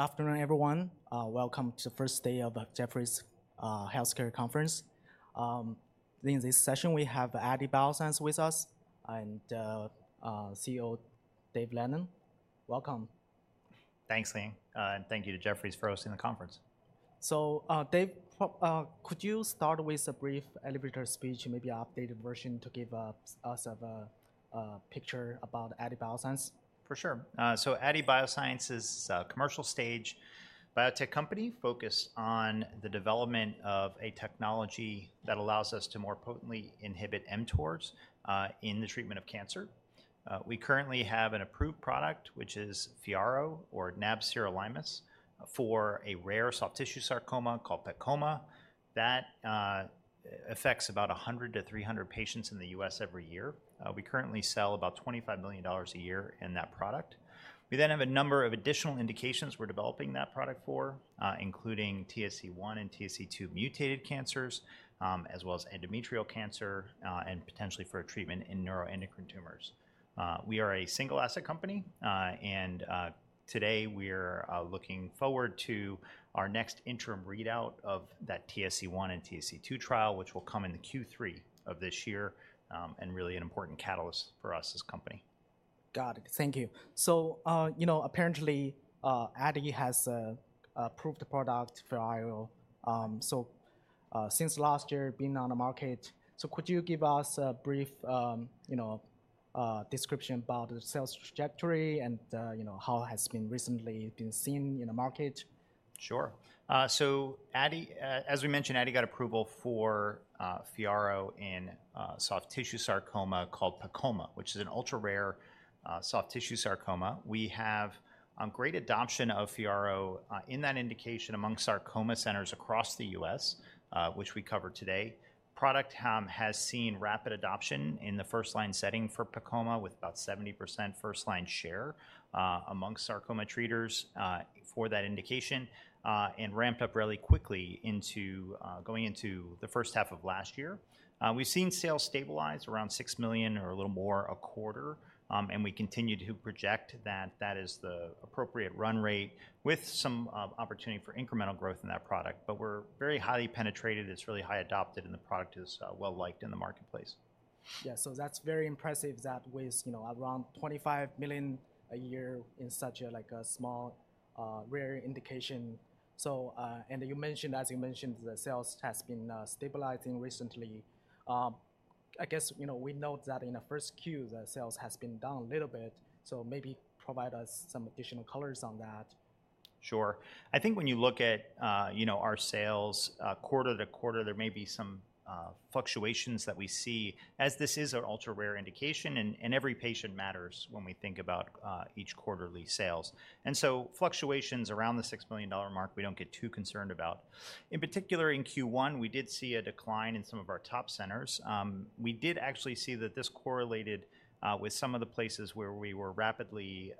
Good afternoon, everyone. Welcome to the first day of the Jefferies Healthcare Conference. In this session, we have Aadi Bioscience with us, and CEO Dave Lennon. Welcome. Thanks, Ming. And thank you to Jefferies for hosting the conference. So, Dave, could you start with a brief elevator speech, maybe updated version, to give us a picture about Aadi Bioscience? For sure. So Aadi Bioscience is a commercial stage biotech company focused on the development of a technology that allows us to more potently inhibit mTORs in the treatment of cancer. We currently have an approved product, which is FYARRO or nab-sirolimus, for a rare soft tissue sarcoma called PEComa, that affects about 100-300 patients in the U.S. every year. We currently sell about $25 million a year in that product. We then have a number of additional indications we're developing that product for, including TSC1 and TSC2 mutated cancers, as well as endometrial cancer, and potentially for a treatment in neuroendocrine tumors. We are a single-asset company, and today we are looking forward to our next interim readout of that TSC1 and TSC2 trial, which will come in Q3 of this year, and really an important catalyst for us as a company. Got it. Thank you. So, you know, apparently, Aadi has a approved product, FYARRO, since last year being on the market. So could you give us a brief, you know, description about the sales trajectory and, you know, how it has been recently been seen in the market? Sure. So Aadi, as we mentioned, Aadi got approval for FYARRO in soft tissue sarcoma called PEComa, which is an ultra-rare soft tissue sarcoma. We have great adoption of FYARRO in that indication among sarcoma centers across the U.S., which we cover today. Product has seen rapid adoption in the first-line setting for PEComa, with about 70% first-line share amongst sarcoma treaters for that indication, and ramped up really quickly into going into the first half of last year. We've seen sales stabilize around $6 million or a little more a quarter, and we continue to project that that is the appropriate run rate with some opportunity for incremental growth in that product. But we're very highly penetrated, it's really high adopted, and the product is well-liked in the marketplace. Yeah. So that's very impressive that with, you know, around $25 million a year in such a, like, a small, rare indication. So, and you mentioned—as you mentioned, the sales has been stabilizing recently. I guess, you know, we note that in Q1, the sales has been down a little bit, so maybe provide us some additional colors on that. Sure. I think when you look at, you know, our sales, quarter to quarter, there may be some fluctuations that we see as this is an ultra-rare indication, and every patient matters when we think about each quarterly sales. And so fluctuations around the $6 million mark, we don't get too concerned about. In particular, in Q1, we did see a decline in some of our top centers. We did actually see that this correlated with some of the places where we were rapidly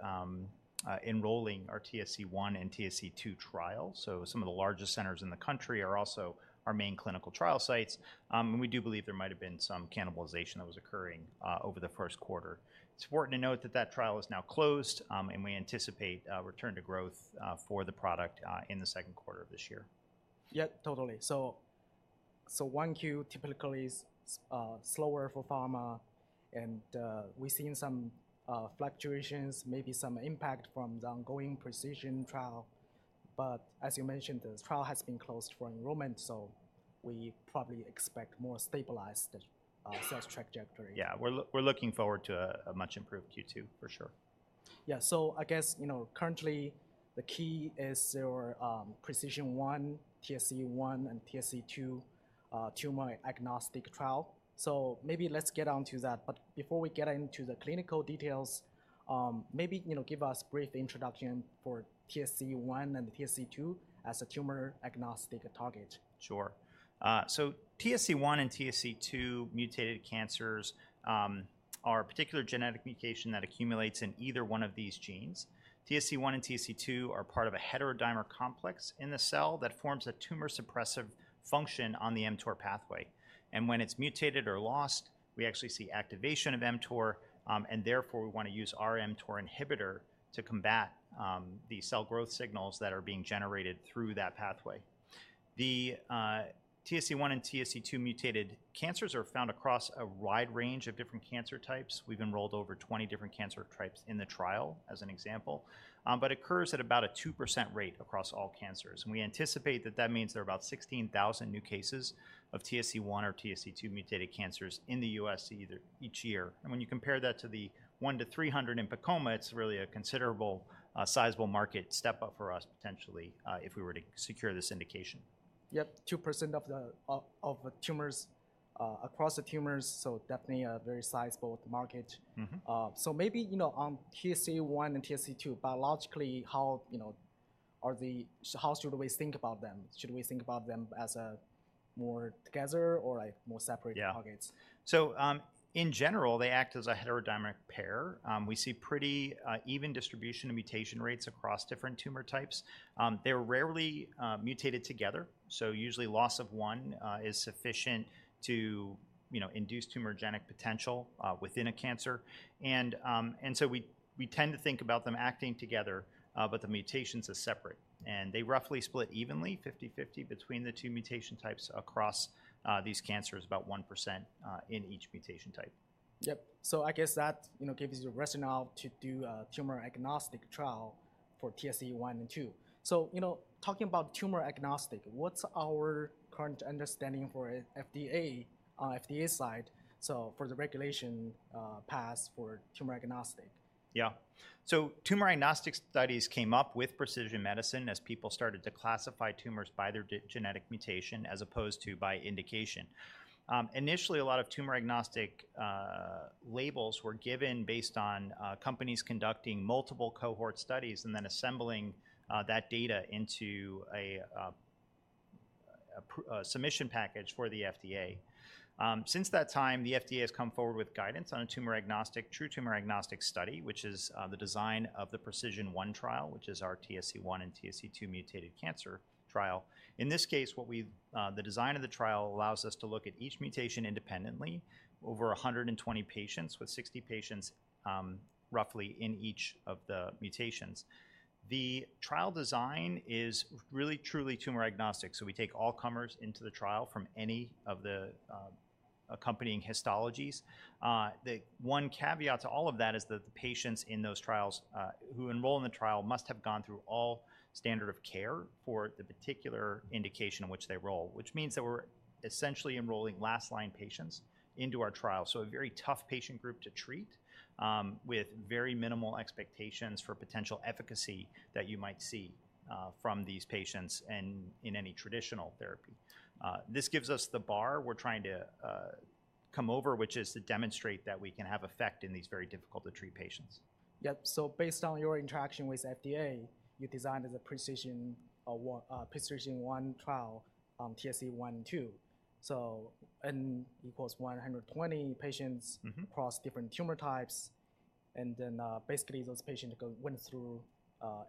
enrolling our TSC1 and TSC2 trial. So some of the largest centers in the country are also our main clinical trial sites, and we do believe there might have been some cannibalization that was occurring over the first quarter. It's important to note that trial is now closed, and we anticipate a return to growth, for the product, in Q2 of this year. Yeah, totally. So, Q1 typically is slower for pharma, and we've seen some fluctuations, maybe some impact from the ongoing precision trial. But as you mentioned, the trial has been closed for enrollment, so we probably expect more stabilized sales trajectory. Yeah, we're looking forward to a much improved Q2, for sure. Yeah. So I guess, you know, currently, the key is your PRECISION1, TSC1 and TSC2 tumor-agnostic trial. So maybe let's get on to that. But before we get into the clinical details, maybe, you know, give us a brief introduction for TSC1 and TSC2 as a tumor-agnostic target. Sure. So TSC1 and TSC2 mutated cancers are a particular genetic mutation that accumulates in either one of these genes. TSC1 and TSC2 are part of a heterodimer complex in the cell that forms a tumor-suppressive function on the mTOR pathway, and when it's mutated or lost, we actually see activation of mTOR, and therefore, we want to use our mTOR inhibitor to combat the cell growth signals that are being generated through that pathway. The TSC1 and TSC2 mutated cancers are found across a wide range of different cancer types. We've enrolled over 20 different cancer types in the trial, as an example. But occurs at about a 2% rate across all cancers, and we anticipate that that means there are about 16,000 new cases of TSC1 or TSC2 mutated cancers in the U.S. each year. When you compare that to the 100-300 in PEComa, it's really a considerable, sizable market step-up for us, potentially, if we were to secure this indication. Yep, 2% of the tumors across the tumors, so definitely a very sizable market. Mm-hmm. So maybe, you know, TSC1 and TSC2. So how should we think about them? Should we think about them as a more together... or like more separate- Yeah -targets? So, in general, they act as a heterodimeric pair. We see pretty even distribution and mutation rates across different tumor types. They're rarely mutated together, so usually loss of one is sufficient to, you know, induce tumorigenic potential within a cancer. And, and so we, we tend to think about them acting together, but the mutations as separate, and they roughly split evenly, 50/50, between the two mutation types across these cancers, about 1% in each mutation type. Yep. So I guess that, you know, gives you the rationale to do a tumor-agnostic trial for TSC1 and TSC2. So, you know, talking about tumor-agnostic, what's our current understanding for FDA, on FDA side, so for the regulation passed for tumor-agnostic? Yeah. So tumor-agnostic studies came up with precision medicine as people started to classify tumors by their genetic mutation as opposed to by indication. Initially, a lot of tumor-agnostic labels were given based on companies conducting multiple cohort studies and then assembling that data into a submission package for the FDA. Since that time, the FDA has come forward with guidance on a tumor-agnostic, true tumor-agnostic study, which is the design of the PRECISION-1 trial, which is our TSC1 and TSC2 mutated cancer trial. In this case, the design of the trial allows us to look at each mutation independently, over 120 patients, with 60 patients roughly in each of the mutations. The trial design is really, truly tumor agnostic, so we take all comers into the trial from any of the accompanying histologies. The one caveat to all of that is that the patients in those trials who enroll in the trial must have gone through all standard of care for the particular indication in which they enroll, which means that we're essentially enrolling last-line patients into our trial, so a very tough patient group to treat with very minimal expectations for potential efficacy that you might see from these patients and in any traditional therapy. This gives us the bar we're trying to come over, which is to demonstrate that we can have effect in these very difficult-to-treat patients. Yep. So based on your interaction with FDA, you designed as a PRECISION1 trial, TSC1/2. So, n equals 120 patients- Mm-hmm... across different tumor types, and then, basically, those patients went through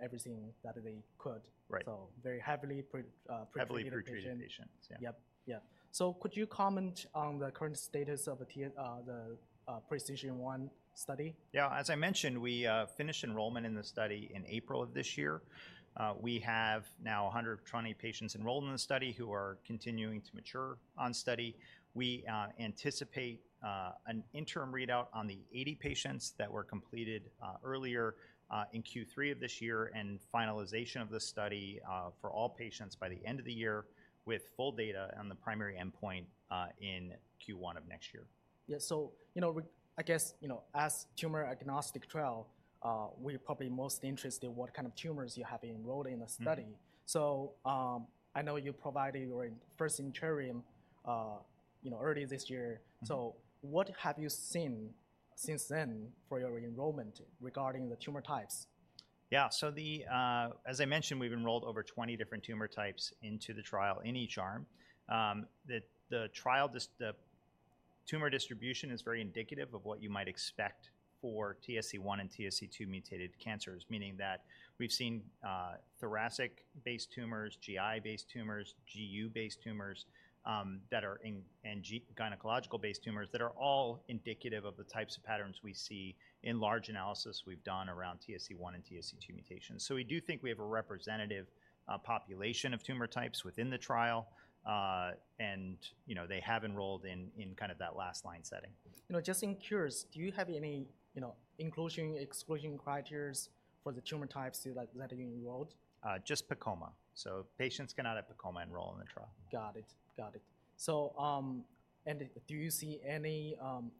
everything that they could. Right. So very heavily pre-treated patients. Heavily pre-treated patients. Yeah. Yep. Yeah. So could you comment on the current status of the TSC PRECISION1 study? Yeah. As I mentioned, we finished enrollment in the study in April of this year. We have now 120 patients enrolled in the study who are continuing to mature on study. We anticipate an interim readout on the 80 patients that were completed earlier in Q3 of this year, and finalization of the study for all patients by the end of the year, with full data on the primary endpoint in Q1 of next year. Yeah. So, you know, we, I guess, you know, as tumor-agnostic trial, we're probably most interested in what kind of tumors you have enrolled in the study. Mm-hmm. I know you provided your first interim, you know, early this year. Mm-hmm. What have you seen since then for your enrollment regarding the tumor types? Yeah. So, as I mentioned, we've enrolled over 20 different tumor types into the trial in each arm. The tumor distribution is very indicative of what you might expect for TSC1 and TSC2 mutated cancers, meaning that we've seen thoracic-based tumors, GI-based tumors, GU-based tumors, and gynecological-based tumors that are all indicative of the types of patterns we see in large analysis we've done around TSC1 and TSC2 mutations. So we do think we have a representative population of tumor types within the trial. And, you know, they have enrolled in kind of that last line setting. You know, just curious, do you have any, you know, inclusion, exclusion criteria for the tumor types you, like, that you enrolled? Just sarcoma. So patients cannot have sarcoma enroll in the trial. Got it. Got it. So, do you see any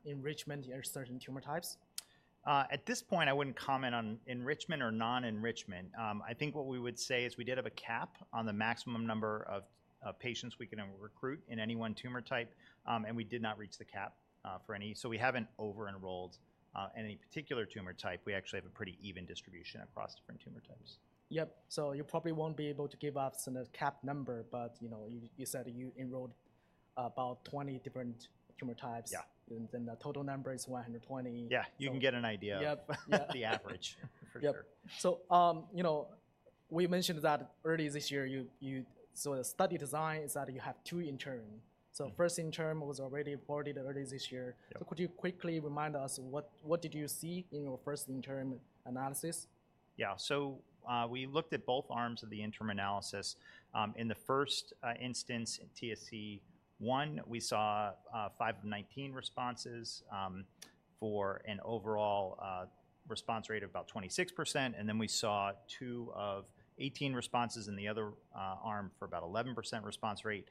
enrichment in certain tumor types? At this point, I wouldn't comment on enrichment or non-enrichment. I think what we would say is we did have a cap on the maximum number of patients we can recruit in any one tumor type, and we did not reach the cap for any. So we haven't over-enrolled any particular tumor type. We actually have a pretty even distribution across different tumor types. Yep. So you probably won't be able to give us a cap number, but you know, you said that you enrolled about 20 different tumor types. Yeah. The total number is 120. Yeah. So- You can get an idea. Yep. Yeah. The average, for sure. Yep. So, you know, we mentioned that early this year. So the study design is that you have two interim. Mm-hmm. First interim was already reported early this year. Yeah. Could you quickly remind us, what, what did you see in your first interim analysis? Yeah. So, we looked at both arms of the interim analysis. In the first instance, TSC1, we saw five of 19 responses for an overall response rate of about 26%, and then we saw two of 18 responses in the other arm for about 11% response rate.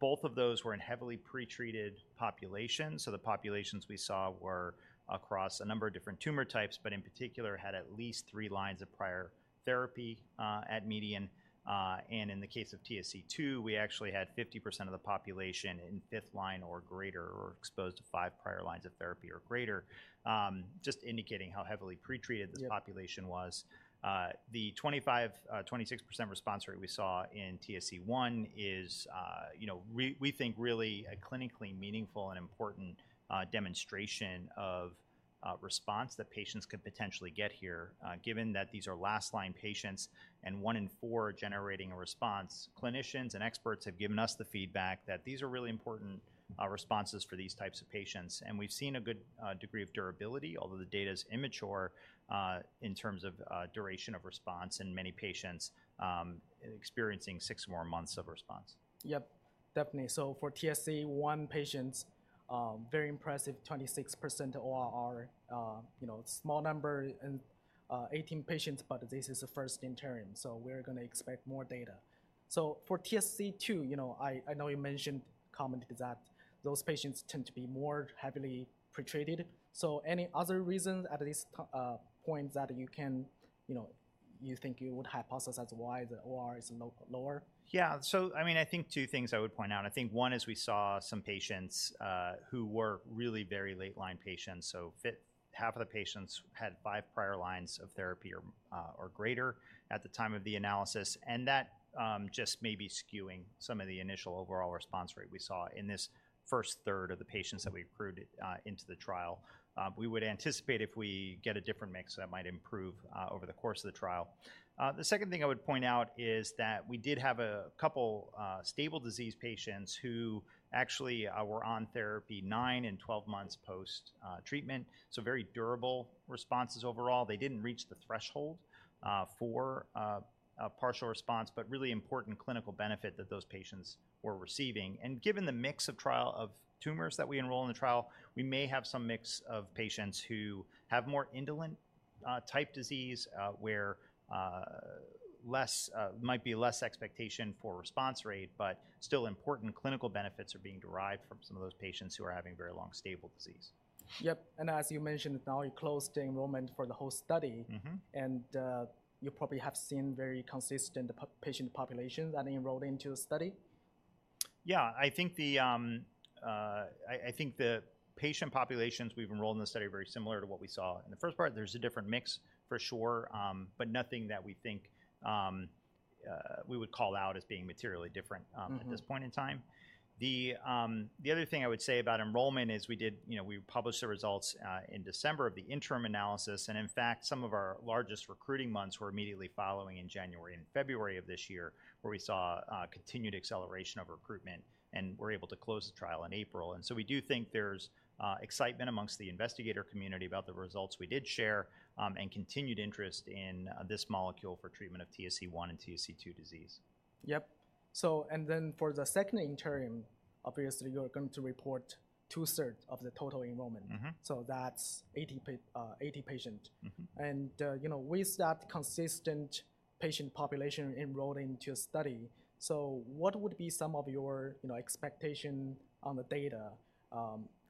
Both of those were in heavily pretreated populations, so the populations we saw were across a number of different tumor types, but in particular, had at least three lines of prior therapy at median. And in the case of TSC2, we actually had 50% of the population in 5th line or greater or exposed to five prior lines of therapy or greater, just indicating how heavily pretreated- Yep... this population was. The 25%-26% response rate we saw in TSC1 is, you know, we, we think really a clinically meaningful and important demonstration of response that patients could potentially get here. Given that these are last-line patients and one in four are generating a response, clinicians and experts have given us the feedback that these are really important-... responses for these types of patients. And we've seen a good degree of durability, although the data is immature, in terms of duration of response in many patients experiencing six more months of response. Yep, definitely. So for TSC1 patients, very impressive, 26% ORR. You know, small number and 18 patients, but this is the first interim, so we're gonna expect more data. So for TSC2, you know, I know you mentioned, commented that those patients tend to be more heavily pretreated. So any other reason at this point that you can, you know, you think you would hypothesize as why the OR is lower? Yeah. So I mean, I think two things I would point out. I think one is we saw some patients, who were really very late-line patients, so half of the patients had five prior lines of therapy or, or greater at the time of the analysis. And that, just may be skewing some of the initial overall response rate we saw in this first third of the patients that we recruited, into the trial. We would anticipate if we get a different mix, that might improve, over the course of the trial. The second thing I would point out is that we did have a couple, stable disease patients who actually, were on therapy nine and 12 months post, treatment, so very durable responses overall. They didn't reach the threshold for a partial response, but really important clinical benefit that those patients were receiving. And given the mix of trial, of tumors that we enroll in the trial, we may have some mix of patients who have more indolent type disease, where less might be less expectation for response rate, but still important clinical benefits are being derived from some of those patients who are having very long, stable disease. Yep, and as you mentioned, now you closed the enrollment for the whole study- Mm-hmm. And you probably have seen very consistent patient populations that enrolled into the study? Yeah, I think the patient populations we've enrolled in the study are very similar to what we saw in the first part. There's a different mix, for sure, but nothing that we think we would call out as being materially different- Mm-hmm... at this point in time. The other thing I would say about enrollment is we did... You know, we published the results in December of the interim analysis, and in fact, some of our largest recruiting months were immediately following in January and February of this year, where we saw a continued acceleration of recruitment and were able to close the trial in April. And so we do think there's excitement amongst the investigator community about the results we did share, and continued interest in this molecule for treatment of TSC1 and TSC2 disease. Yep. So and then, for the second interim, obviously, you're going to report two-thirds of the total enrollment. Mm-hmm. So that's 80 patients. Mm-hmm. And, you know, with that consistent patient population enrolled into your study, so what would be some of your, you know, expectation on the data,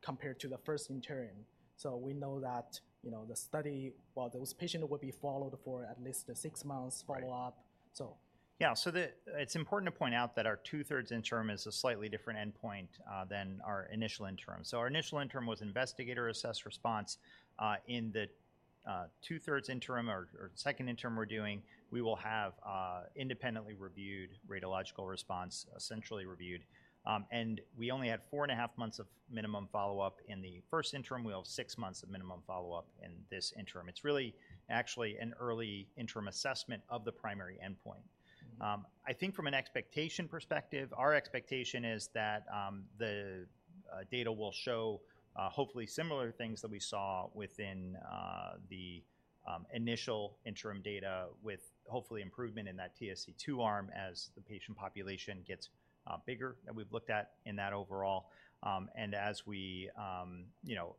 compared to the first interim? So we know that, you know, the study, well, those patients will be followed for at least six months- Right... follow-up. So. Yeah, so it's important to point out that our two-thirds interim is a slightly different endpoint than our initial interim. So our initial interim was investigator-assessed response. In the two-thirds interim or second interim we're doing, we will have independently reviewed radiological response, essentially reviewed. And we only had four and a half months of minimum follow-up in the first interim. We have six months of minimum follow-up in this interim. It's really actually an early interim assessment of the primary endpoint. Mm-hmm. I think from an expectation perspective, our expectation is that the data will show hopefully similar things that we saw within the initial interim data, with hopefully improvement in that TSC2 arm as the patient population gets bigger, that we've looked at in that overall. And as we, you know,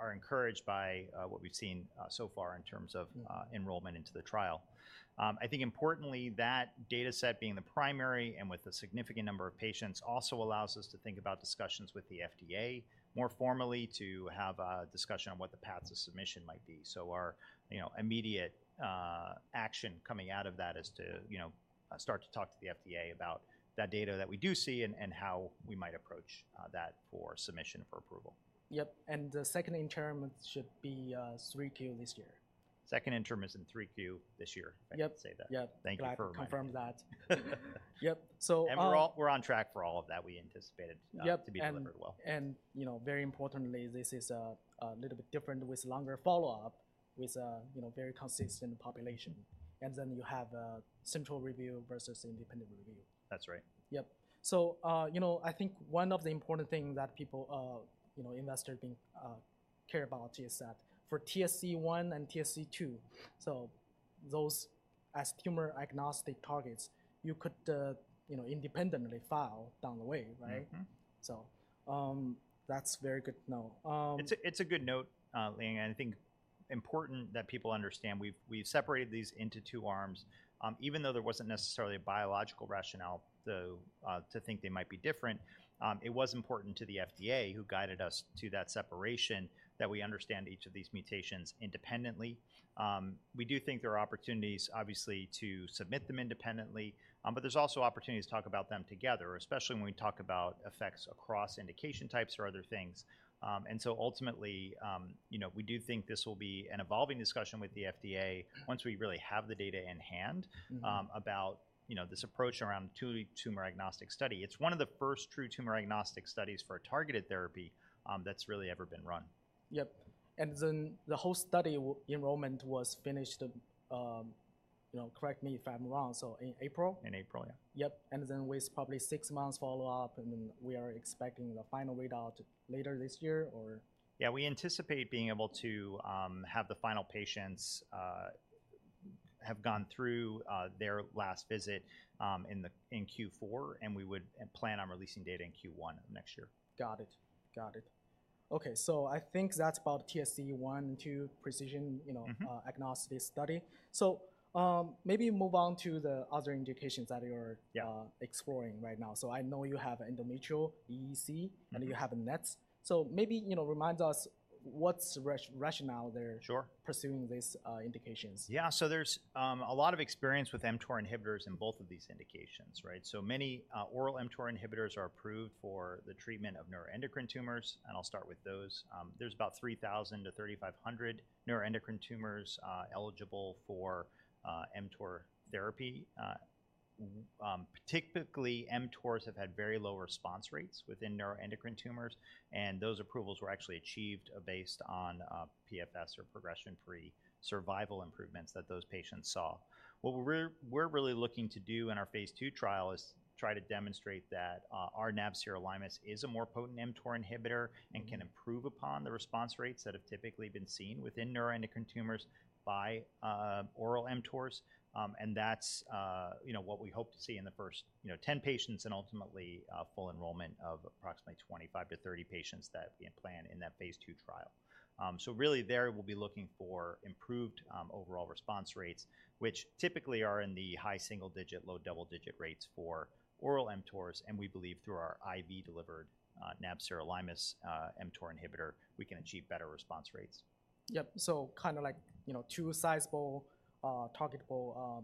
are encouraged by what we've seen so far in terms of- Mm... enrollment into the trial. I think importantly, that data set being the primary and with a significant number of patients, also allows us to think about discussions with the FDA more formally, to have a discussion on what the paths of submission might be. So our, you know, immediate, action coming out of that is to, you know, start to talk to the FDA about that data that we do see and, and how we might approach, that for submission for approval. Yep, and the second interim should be 3Q this year. Second interim is in 3Q this year. Yep. I can say that. Yep. Thank you for reminding me. Glad to confirm that. Yep. So, And we're all, we're on track for all of that. We anticipated- Yep... to be delivered well. You know, very importantly, this is a little bit different with longer follow-up, with a, you know, very consistent population. And then you have a central review versus independent review. That's right. Yep. So, you know, I think one of the important thing that people, you know, investor being, care about this asset, for TSC1 and TSC2, so those as tumor-agnostic targets, you could, you know, independently file down the way, right? Mm-hmm. That's very good to know. It's a good note, Ming, and I think important that people understand we've separated these into two arms. Even though there wasn't necessarily a biological rationale to think they might be different, it was important to the FDA, who guided us to that separation, that we understand each of these mutations independently. We do think there are opportunities, obviously, to submit them independently, but there's also opportunities to talk about them together, especially when we talk about effects across indication types or other things. And so ultimately, you know, we do think this will be an evolving discussion with the FDA- Mm... once we really have the data in hand- Mm-hmm... about, you know, this approach around two tumor-agnostic study. It's one of the first true tumor-agnostic studies for a targeted therapy, that's really ever been run. Yep. And then the whole study enrollment was finished, you know, correct me if I'm wrong, so in April? In April, yeah. Yep, and then with probably six months follow-up, and then we are expecting the final readout later this year, or? Yeah, we anticipate being able to have the final patients have gone through their last visit in Q4, and we would plan on releasing data in Q1 of next year. Got it. Got it. Okay, so I think that's about TSC1 and TSC2 precision, you know- Mm-hmm... agnostic study. So, maybe move on to the other indications that you're- Yeah... exploring right now. So I know you have endometrial EEC- Mm-hmm... and you have NETs. So maybe, you know, remind us what's rationale there- Sure... pursuing these indications? Yeah, so there's a lot of experience with mTOR inhibitors in both of these indications, right? So many oral mTOR inhibitors are approved for the treatment of neuroendocrine tumors, and I'll start with those. There's about 3,000-3,500 neuroendocrine tumors eligible for mTOR therapy. Typically, mTORs have had very low response rates within neuroendocrine tumors, and those approvals were actually achieved based on PFS or progression-free survival improvements that those patients saw. What we're really looking to do in our phase 2 trial is try to demonstrate that our nab-sirolimus is a more potent mTOR inhibitor. Mm-hmm... and can improve upon the response rates that have typically been seen within neuroendocrine tumors by oral mTORs. And that's, you know, what we hope to see in the first, you know, 10 patients and ultimately full enrollment of approximately 25-30 patients that we plan in that phase 2 trial. So really there we'll be looking for improved overall response rates, which typically are in the high single digit, low double-digit rates for oral mTORs, and we believe through our IV-delivered nab-sirolimus mTOR inhibitor, we can achieve better response rates. Yep, so kind of like, you know, two sizable targetable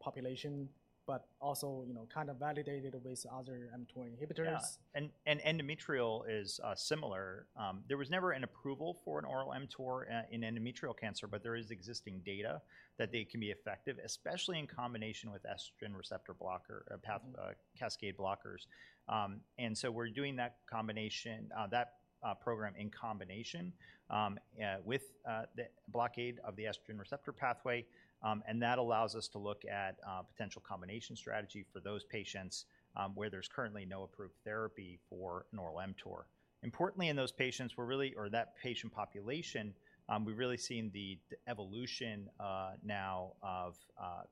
population, but also, you know, kind of validated with other mTOR inhibitors. Yeah, and endometrial is similar. There was never an approval for an oral mTOR in endometrial cancer, but there is existing data that they can be effective, especially in combination with estrogen receptor blocker, or path- Mm-hmm... cascade blockers. And so we're doing that combination, that program in combination with the blockade of the estrogen receptor pathway. And that allows us to look at potential combination strategy for those patients, where there's currently no approved therapy for an oral mTOR. Importantly, in those patients, we're really or that patient population, we've really seen the evolution now of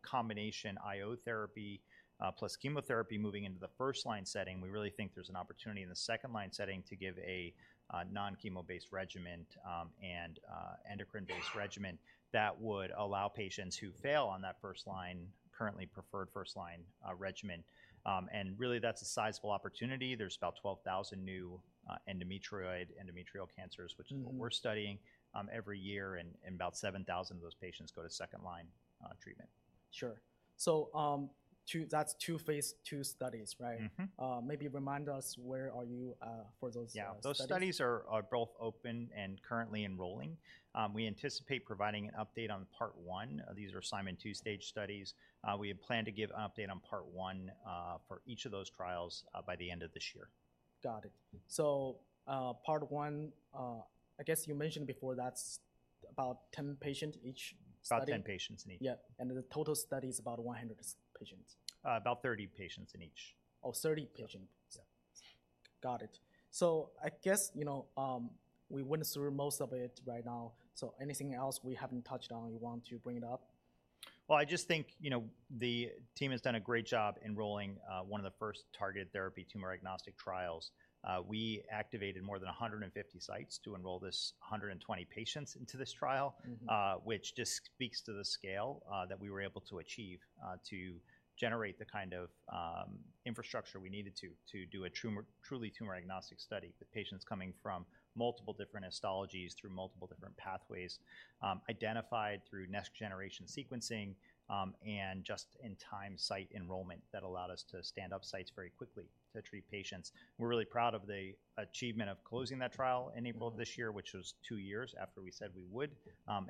combination IO therapy plus chemotherapy moving into the first-line setting. We really think there's an opportunity in the second-line setting to give a non-chemo-based regimen, and endocrine-based regimen... that would allow patients who fail on that first-line, currently preferred first-line regimen. And really, that's a sizable opportunity. There's about 12,000 new endometrioid endometrial cancers- Mm-hmm... which is what we're studying every year, and about 7,000 of those patients go to second-line treatment. Sure. So, 2, that's 2 phase 2 studies, right? Mm-hmm. Maybe remind us, where are you for those studies? Yeah. Those studies are both open and currently enrolling. We anticipate providing an update on part one. These are Simon two-stage studies. We have planned to give an update on part one for each of those trials by the end of this year. Got it. So, part one, I guess you mentioned before, that's about 10 patient each study? About 10 patients in each. Yeah, and the total study is about 100 patients. About 30 patients in each. Oh, 30 patients. Yeah. Got it. I guess, you know, we went through most of it right now. Anything else we haven't touched on you want to bring up? Well, I just think, you know, the team has done a great job enrolling one of the first targeted therapy tumor-agnostic trials. We activated more than 150 sites to enroll this 120 patients into this trial- Mm-hmm... which just speaks to the scale that we were able to achieve to generate the kind of infrastructure we needed to do a truly tumor-agnostic study, with patients coming from multiple different histologies through multiple different pathways, identified through next-generation sequencing, and just-in-time site enrollment that allowed us to stand up sites very quickly to treat patients. We're really proud of the achievement of closing that trial in April this year- Mm-hmm... which was two years after we said we would,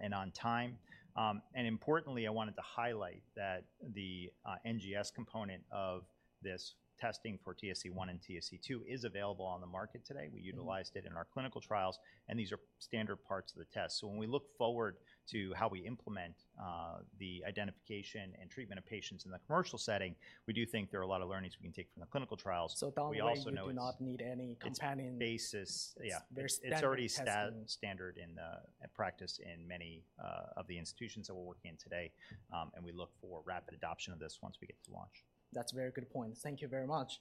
and on time. And importantly, I wanted to highlight that the NGS component of this testing for TSC1 and TSC2 is available on the market today. Mm-hmm. We utilized it in our clinical trials, and these are standard parts of the test. So when we look forward to how we implement the identification and treatment of patients in the commercial setting, we do think there are a lot of learnings we can take from the clinical trials. We also know it's- Down the way, you do not need any companion- It's basis... Yeah. There's standard testing. It's already standard in practice in many of the institutions that we're working in today. And we look for rapid adoption of this once we get to launch. That's a very good point. Thank you very much.